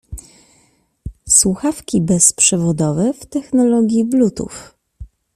Słuchawki bezprzewodowe w technologii bluetooth.